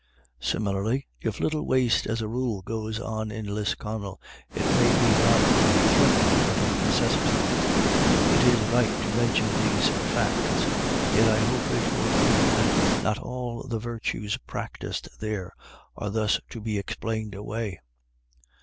Similarly, if little waste, as a rule, goes on at Lisconnel, it may be not from thrift, but of necessity. It is right to mention these facts, yet I hope it will appear that not all the virtues practised there are thus to be explained away.